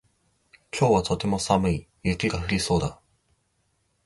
今日はとても寒い。雪が降りそうだ。